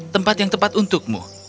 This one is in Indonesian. tempat yang tepat untukmu